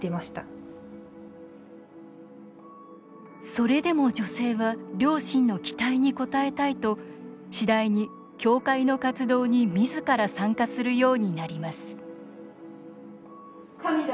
それでも女性は両親の期待に応えたいと次第に教会の活動に、みずから参加するようになります